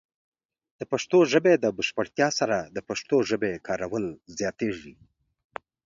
د پښتو ژبې د بشپړتیا سره، د پښتو ژبې کارول زیاتېږي.